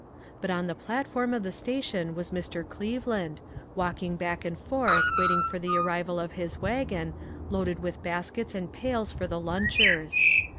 l>ut on the platform of the station was Mr. Cleveland, walking back and forth waiting for the arrival of his wagon, loaded with baskets and pails for the lunchers.